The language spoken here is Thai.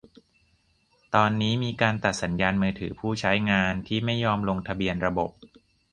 ตอนนี้มีการตัดสัญญาณมือถือผู้ใช้งานที่ไม่ยอมลงทะเบียนระบบ